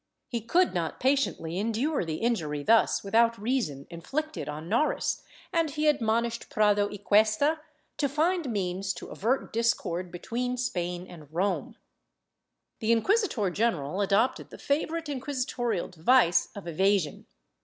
He could not patiently endure the injury thus without reason inflicted on Noris and he admonished Prado y Cuesta to find means to avert discord between Spain and Rome.^ The inquisitor general adopted the favorite inquisitorial device of evasion.